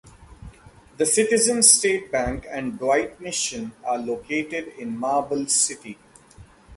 The Citizens State Bank and Dwight Mission are located in Marble City.